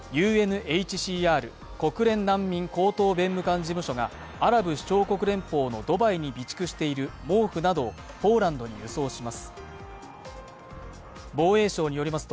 ＵＮＨＣＲ＝国連難民高等弁務官事務所がアラブ首長国連邦のドバイに備蓄している毛布などをポーランドに輸送します。